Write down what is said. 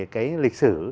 cái lịch sử